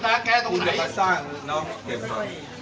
แต่ใช้วาจารยังไง